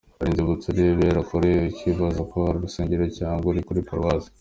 Hari inzibutso urebera kure ukibaza ko hari urusengero cyangwa ari kuri Paruwasi.